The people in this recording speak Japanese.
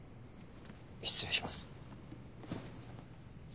失礼します。